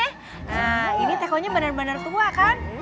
nah ini tekonya bener bener tua kan